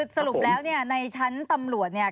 สรุปแล้วเนี่ยในชั้นตำรวจเนี่ย